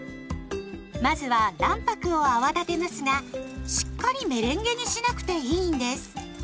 まずは卵白を泡立てますがしっかりメレンゲにしなくていいんです。